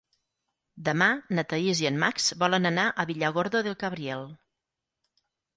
Demà na Thaís i en Max volen anar a Villargordo del Cabriel.